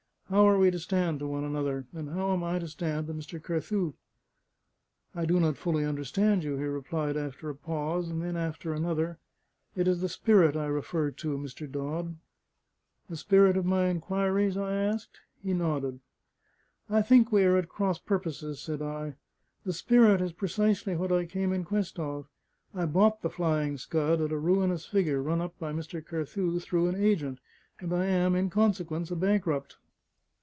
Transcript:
How are we to stand to one another? and how am I to stand to Mr. Carthew?" "I do not fully understand you," he replied, after a pause; and then, after another: "It is the spirit I refer to, Mr. Dodd." "The spirit of my inquiries?" I asked. He nodded. "I think we are at cross purposes," said I. "The spirit is precisely what I came in quest of. I bought the Flying Scud at a ruinous figure, run up by Mr. Carthew through an agent; and I am, in consequence, a bankrupt.